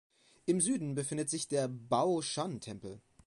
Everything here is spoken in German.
Im Süden befindet sich der Baoshan-Tempel.